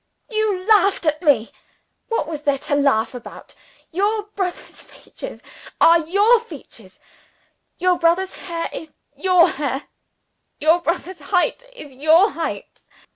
You laughed at me. What was there to laugh at? Your brother's features are your features; your brother's hair is your hair; your brother's height is your height.